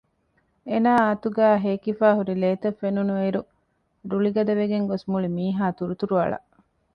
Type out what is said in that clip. އޭނާ އަތުގައި ހޭކިފައި ހުރި ލޭތައް ފެނުނުއިރު ރުޅި ގަދަވެގެން ގޮސް މުޅިމީހާ ތުރުތުރު އަޅަ